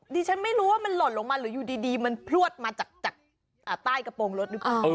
ดิฉันไม่รู้ว่ามันหล่นลงมาหรืออยู่ดีมันพลวดมาจากใต้กระโปรงรถหรือเปล่า